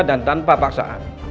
dan tanpa paksaan